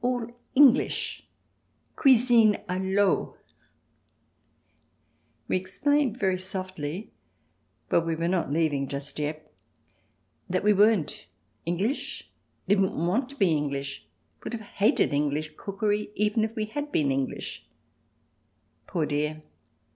All English — cuisine a feau " CH. x] WAITERS AND POLICEMEN 145 We explained very softly, for we were not leaving just yet, that we weren't English, didn't want to be English, would have hated English cookery even if we had been English. Poor dear